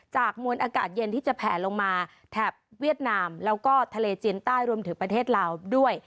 มวลอากาศเย็นที่จะแผลลงมาแถบเวียดนามแล้วก็ทะเลจีนใต้รวมถึงประเทศลาวด้วย